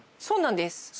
そうなんです。